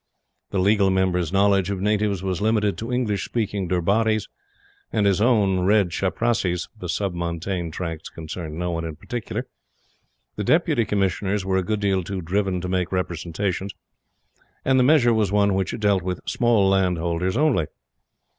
The Legal Member's knowledge of natives was limited to English speaking Durbaris, and his own red chaprassis, the Sub Montane Tracts concerned no one in particular, the Deputy Commissioners were a good deal too driven to make representations, and the measure was one which dealt with small landholders only.